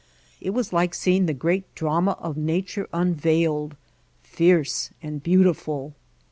It was like seeing the great drama of nature unveiled, fierce and beautiful.